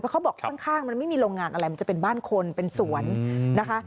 เขาบอกข้างมันไม่มีโรงงานอะไรมันจะเป็นบ้านคนเป็นสวนนะคะ